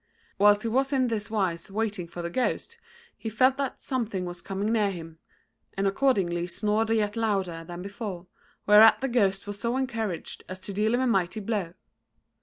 Whilst he was in this wise waiting for the ghost, he felt that something was coming near him, and accordingly snored yet louder than before, whereat the ghost was so encouraged as to deal him a mighty blow.